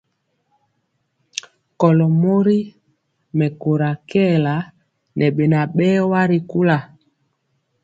Kɔlo mori mɛkóra kɛɛla ŋɛ beŋa berwa ri kula.